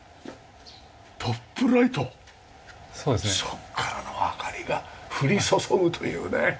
そこからの明かりが降り注ぐというね。